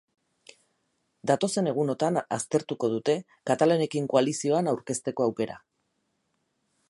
Datozen egunotan aztertuko dute katalanekin koalizioan aurkezteko aukera.